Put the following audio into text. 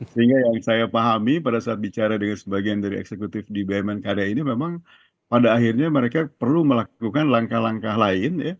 sehingga yang saya pahami pada saat bicara dengan sebagian dari eksekutif di bumn karya ini memang pada akhirnya mereka perlu melakukan langkah langkah lain